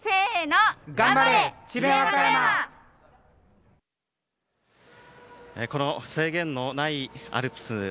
頑張れ、智弁和歌山！制限のないアルプス。